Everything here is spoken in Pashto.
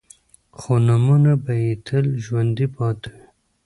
خو نومونه به يې تل ژوندي پاتې وي.